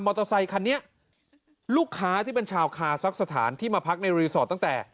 เตอร์ไซคันนี้ลูกค้าที่เป็นชาวคาซักสถานที่มาพักในรีสอร์ทตั้งแต่